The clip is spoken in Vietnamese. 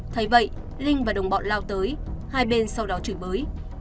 thấy vậy linh và đồng bọn lao tới hai bên sau đó chửi bới